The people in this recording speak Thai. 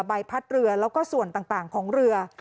ใบพัดเรือแล้วก็ส่วนต่างของเรือ